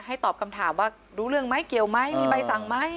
ตอบคำถามว่ารู้เรื่องไหมเกี่ยวไหมมีใบสั่งไหม